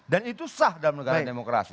dan itu sah dalam negara demokrasi